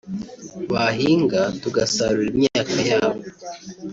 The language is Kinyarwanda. bahinga tugasarura imyaka yabo